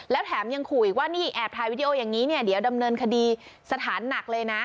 แล้วแถมยังขู่อีกว่านี่แอบถ่ายวิดีโออย่างนี้เนี่ยเดี๋ยวดำเนินคดีสถานหนักเลยนะ